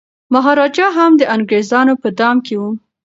مهاراجا هم د انګریزانو په دام کي و.